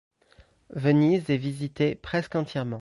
Venise est visitée presque entièrement.